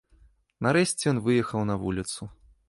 Нарэшце ён выехаў на вуліцу.